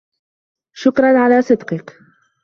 شكرا على صدقك.